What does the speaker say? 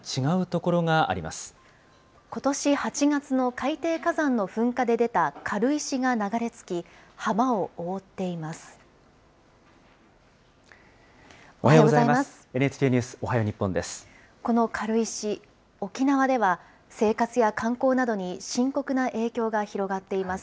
ことし８月の海底火山の噴火で出た軽石が流れ着き、浜を覆っおはようございます。